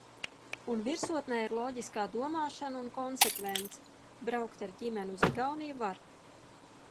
Un virsotnē ir loģiskā domāšana un konsekvence. Braukt ar ģimeni uz Igauniju var.